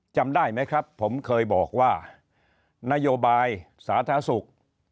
จำได้ไหมครับผมเคยบอกว่านโยบายสาธารณสุข